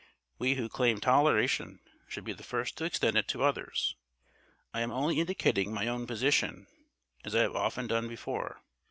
We who claim toleration should be the first to extend it to others. I am only indicating my own position, as I have often done before.